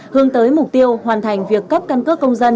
hướng tới mục tiêu hoàn thành việc cấp căn cước công dân